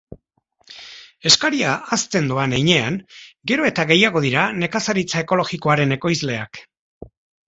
Eskaria hazten doan heinean, gero eta gehiago dira nekazaritza ekologikoaren ekoizleak.